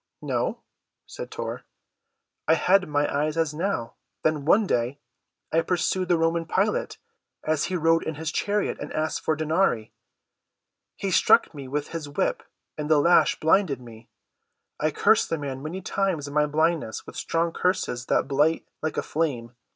"No," said Tor. "I had my eyes as now. Then one day I pursued the Roman Pilate, as he rode in his chariot, and asked for denarii. He struck me with his whip, and the lash blinded me. I cursed the man many times in my blindness with strong curses that blight like a flame.